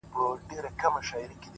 خپل ظرفیت تر شک مه قربانوئ